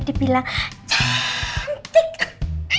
dia bilang cantik